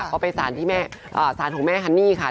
ก็ไปสถานที่แม่สถานของแม่ฮันนี่ค่ะ